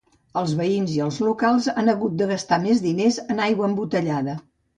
Els veïns i els locals han hagut de gastar més diners en aigua embotellada.